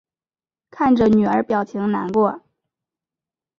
看着女儿表情难过